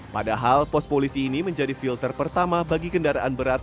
padahal pos polisi ini menjadi filter pertama bagi kendaraan berat